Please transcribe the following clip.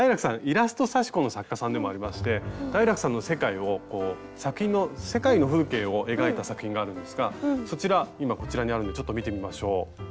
イラスト刺し子の作家さんでもありましてダイラクさんの世界の風景を描いた作品があるんですがそちら今こちらにあるんでちょっと見てみましょう。